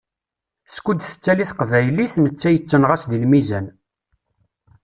Skud tettali teqbaylit, netta yettenɣaṣ di lmizan.